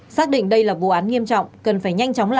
xác định đây là vụ án nghiêm trọng